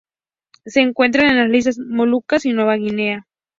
Se encuentra en las islas Molucas y Nueva Guinea.